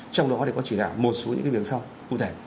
trong đó thì có chỉ đạo một số những cái việc sau cụ thể